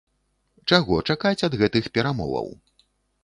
Чаго чакаць ад гэтых перамоваў?